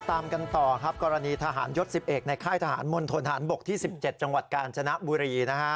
ตามกันต่อครับกรณีทหารยศ๑๑ในค่ายทหารมณฑนฐานบกที่๑๗จังหวัดกาญจนบุรีนะฮะ